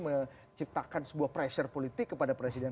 menciptakan sebuah pressure politik kepada presiden